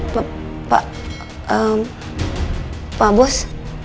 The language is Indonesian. pak pak pak bos